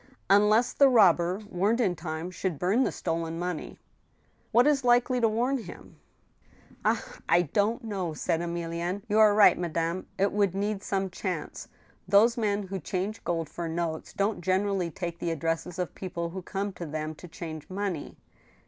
" ''Unless the robber, warned in time, should bum the stolen money," I40 THE STEEL HAMMER. " What IS likely to warn him ?"" Ah ! I don't know," said Emilienne ;" you are right, madame, it would need some chance. ... Those men who change gold for notes don't generally take the addresses of people who come to them to change money